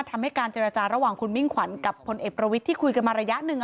การเจรจาระหว่างคุณมิ่งขวัญกับพลเอกประวิทย์ที่คุยกันมาระยะหนึ่ง